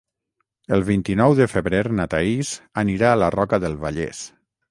El vint-i-nou de febrer na Thaís anirà a la Roca del Vallès.